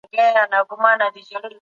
ځینې پخواني دودونه باید بدلون ومومي.